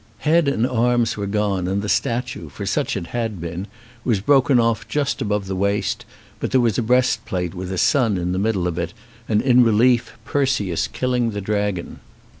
Head and arms were gone, and the statue, for such it had been, was broken off just above the waist, but there was a breastplate, with a sun in the middle of it, and in relief Perseus killing the dragon.